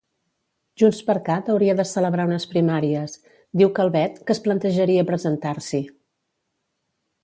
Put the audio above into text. JxCat hauria de celebrar unes primàries, diu Calvet, que es plantejaria presentar-s'hi.